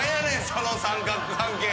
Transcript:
その三角関係。